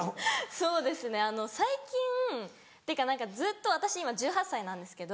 そうですね最近ってか何かずっと私今１８歳なんですけど。